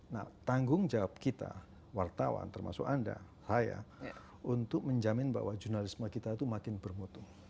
nah tanggung jawab kita wartawan termasuk anda saya untuk menjamin bahwa jurnalisme kita itu makin bermutu